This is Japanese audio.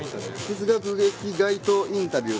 「哲学的街頭インタビュー」